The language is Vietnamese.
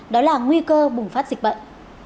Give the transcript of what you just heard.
đó là nguy cơ bùng phát dịch bệnh